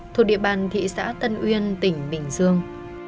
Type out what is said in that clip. thuộc địa bàn thị xã tân uyên tỉnh bình dương